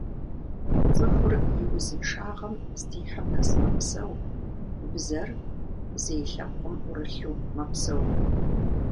Цӏыхур и узыншагъэм здихьым нэс мэпсэу, бзэр зей лъэпкъым ӏурылъыху мэпсэу.